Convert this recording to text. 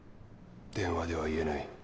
電話では言えない。